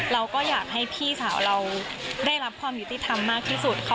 เราก็อยากให้พี่สาวเราได้รับความยุติธรรมมากที่สุดค่ะ